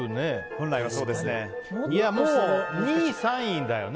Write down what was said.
もう２位、３位だよね。